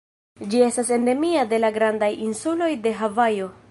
Ĝi estas endemia de la grandaj insuloj de Havajo.